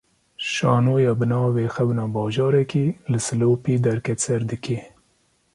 Şanoya bi navê "Xewna Bajarekî", li Silopî derket ser dikê